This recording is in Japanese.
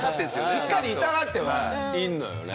しっかり痛がってはいるのよね。